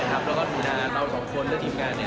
แล้วก็ดูนาเรา๒คนและทีมการเนี่ย